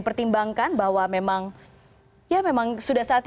terima kasih pak purban